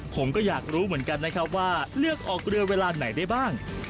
ผมก็อยากรู้เหมือนกันนะครับว่าเลือกออกเรือเวลาไหนได้บ้าง